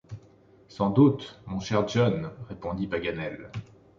Sans doute, mon cher John, répondit Paganel.